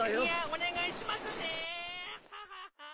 お願いしますね！